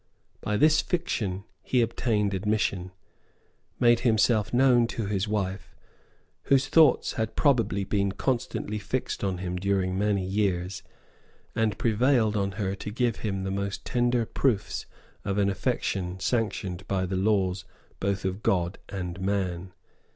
By this fiction he obtained admission, made himself known to his wife, whose thoughts had probably been constantly fixed on him during many years, and prevailed on her to give him the most tender proofs of an affection sanctioned by the laws both of God and of man.